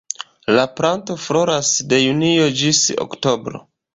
La planto floras de junio ĝis oktobro.